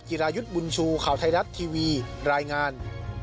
รายุทธ์บุญชูข่าวไทยรัฐทีวีรายงาน